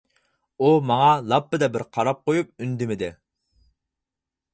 ئۇ ماڭا لاپپىدە بىر قاراپ قۇيۇپ ئۈندىمىدى.